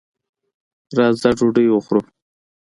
راځه ډوډۍ وخورو.